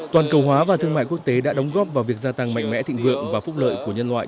toàn cầu hóa và thương mại quốc tế đã đóng góp vào việc gia tăng mạnh mẽ thịnh vượng và phúc lợi của nhân loại